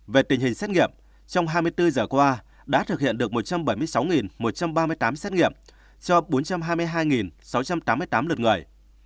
về tình hình xét nghiệm trong hai mươi bốn giờ qua đã thực hiện được một trăm bảy mươi sáu một trăm ba mươi tám xét nghiệm cho bốn trăm hai mươi hai sáu trăm tám mươi tám lượt người